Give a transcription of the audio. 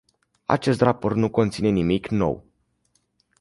Acest raport nu conține nimic nou.